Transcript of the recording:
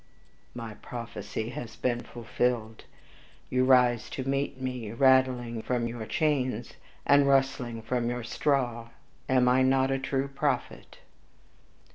"My prophecy has been fulfilled; you rise to meet me rattling from your chains, and rustling from your straw am I not a true prophet?"